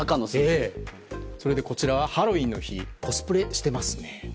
そしてこちらはハロウィーンの日コスプレしていますね。